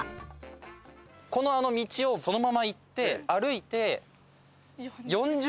この道をそのまま行って歩いて。